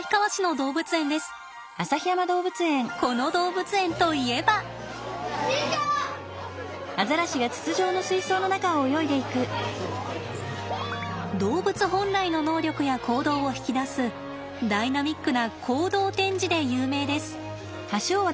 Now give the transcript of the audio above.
動物本来の能力や行動を引き出すダイナミックな行動展示で有名です。